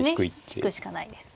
引くしかないですね。